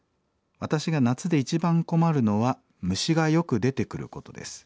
「私が夏で一番困るのは虫がよく出てくることです。